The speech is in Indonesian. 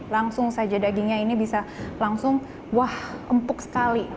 langsung saja dagingnya ini bisa langsung wah empuk sekali